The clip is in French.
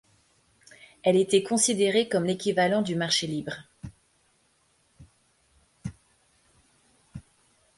Elle était considérée comme l'équivalent du marché libre.